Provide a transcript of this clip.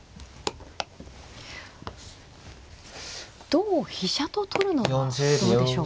同飛車と取るのはどうでしょうか。